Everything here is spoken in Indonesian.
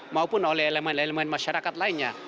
maupun oleh elemen elemen masyarakat lainnya